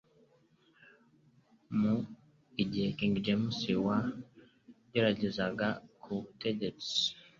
Mu igihe King James wa I yageraga ku butegetsi